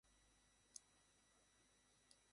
Ramesses, নেমে এসো!